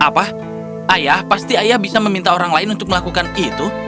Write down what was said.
apa ayah pasti ayah bisa meminta orang lain untuk melakukan itu